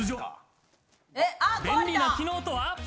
便利な機能とは？